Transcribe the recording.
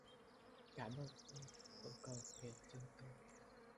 Cảm ơn em vẫn còn kềm chân tôi